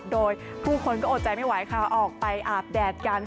โดยผู้คนก็อดใจไม่ไหวค่ะออกไปอาบแดดกัน